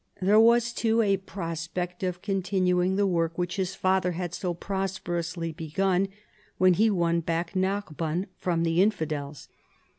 There was, too, a prospect of continuing the vfork which his father had so prosperously begun when he won back Narbonne from the infidels.